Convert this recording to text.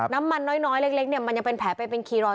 น้ำมันน้อยเล็กเนี่ยมันยังเป็นแผลไปเป็นคีย์รอย